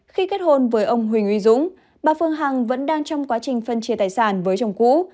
khi kết hôn với ông huỳnh uy dũng bà phương hằng vẫn đang trong quá trình phân chia tài sản với chồng cũ